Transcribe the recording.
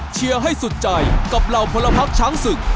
ให้สุดใจกับเหล่าพลพักช้างศึก